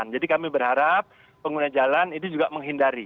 jadi kami berharap pengguna jalan ini juga menghindari